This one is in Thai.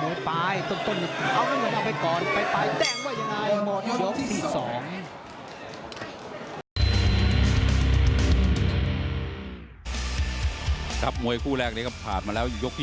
หมายคู่แรกนี้จะผ่านมาแล้วอยู่ยกที่๒